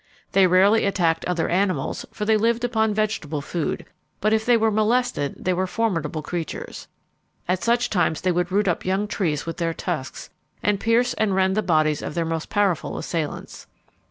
They rarely attacked other animals, for they lived upon vegetable food; but if they were molested they were formidable creatures. At such times they would root up young trees with their tusks, and pierce and rend the bodies of their most powerful assailants.